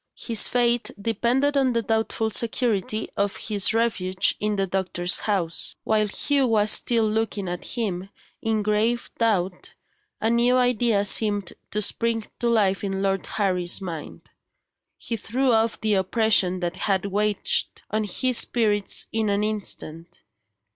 His fate depended on the doubtful security of his refuge in the doctor's house. While Hugh was still looking at him, in grave doubt, a new idea seemed to spring to life in Lord Harry's mind. He threw off the oppression that had weighed on his spirits in an instant.